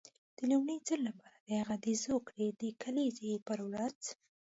د لومړي ځل لپاره د هغه د زوکړې د کلیزې پر ورځ.